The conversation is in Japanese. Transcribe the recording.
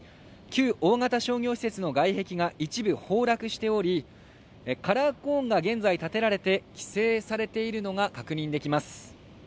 旧大型商業施設の外壁が一部崩落しておりカラーコーンが現在立てられて規制されているのが確認できます